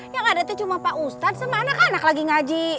yang adatnya cuma pak ustadz sama anak anak lagi ngaji